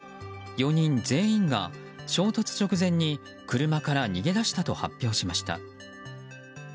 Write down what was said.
しかし、現地の警察は４人全員が衝突直前に車から逃げ出したと発表しました。